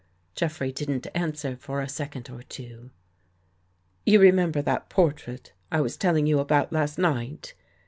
" Jeffrey didn't answer for a second or two. " You remember that portrait I was telling you about last night?"